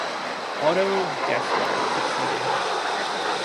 Otto Gessler succeeded him.